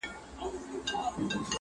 قربان له هغې نظریې سم چي وي ستا لپاره